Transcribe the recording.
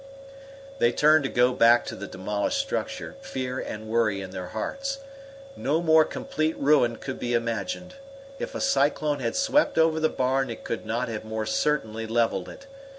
They turned to go back to the demolished structure, fear and worry in their hearts. No more complete ruin could be imagined. If a cyclone had swept over the barn it could not have more certainly leveled it.